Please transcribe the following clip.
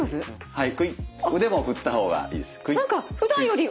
はい。